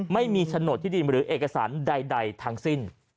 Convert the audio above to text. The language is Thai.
ไม่มีโฉนดที่ดินหรือเอกสารใดทั้งสิ้น